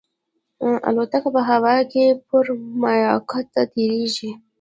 الوتکه په هوا کې پر میقات تېرېږي.